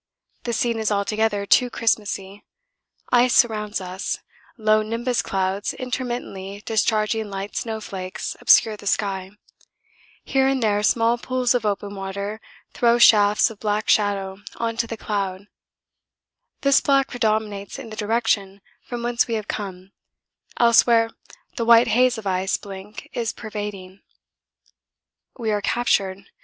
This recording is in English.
The scene is altogether too Christmassy. Ice surrounds us, low nimbus clouds intermittently discharging light snow flakes obscure the sky, here and there small pools of open water throw shafts of black shadow on to the cloud this black predominates in the direction from whence we have come, elsewhere the white haze of ice blink is pervading. We are captured.